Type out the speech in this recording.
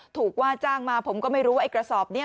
ถูกว่าจ้างมาผมก็ไม่รู้ว่าไอ้กระสอบนี้